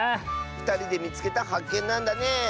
ふたりでみつけたはっけんなんだね！